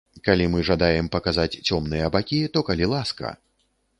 Калі мы жадаем паказаць цёмныя бакі, то калі ласка!